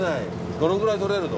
どのくらい獲れるの？